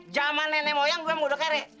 zaman nenek moyang gue mau udah kere